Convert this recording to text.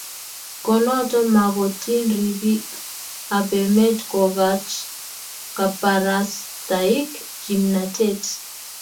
konota makotin ripik ap emet kokach kaparastaik kimnatet